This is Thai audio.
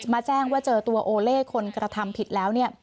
แจ้งว่าเจอตัวโอเล่คนกระทำผิดแล้ว